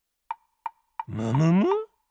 むむむ！